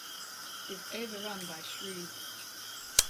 It is overrun by shroobs.